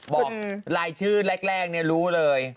บอกลายชื่อแรกเนี่ยรู้เลย